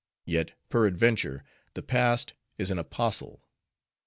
Yet, peradventure, the Past is an apostle.